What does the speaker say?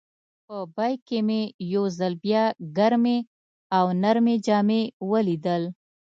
په بیک کې مې یو ځل بیا ګرمې او نرۍ جامې ولیدل.